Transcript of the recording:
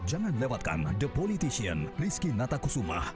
jangan lewatkan the politician rizky natakusumah